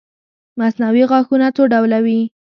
مصنوعي غاښونه څو ډوله وي